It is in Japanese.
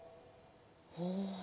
ほう。